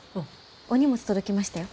お荷物届きましたよ。